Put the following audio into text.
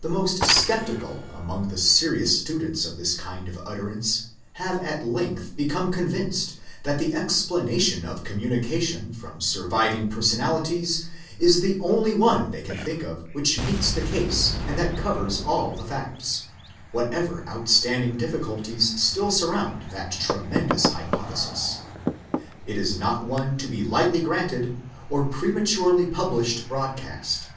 The most sceptical among the serious students of this kind of utterance have at length become convinced that the explanation of communication from surviving personalities is the only one they can think of which meets the case and that covers all the facts, whatever outstanding diffi culties still surround that tremendous hypothesis. It is not one to be lightly granted or prematurely published broadcast.